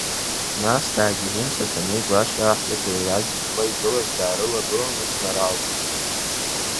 Нас даагьежьын Саҭанеи Гәашьа, аҳәсақәа еилагьежьуа игылаз, даарылагылан ус наралҳәеит…